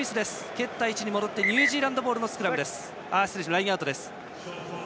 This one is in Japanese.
蹴った位置に戻ってニュージーランドボールのラインアウトです。